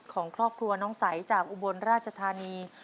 ของครอบครัวน้องใสจากอุบลราชธานี